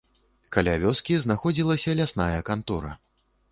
Каля вёскі знаходзілася лясная кантора.